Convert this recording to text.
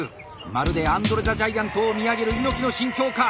まるでアンドレ・ザ・ジャイアントを見上げる猪木の心境か！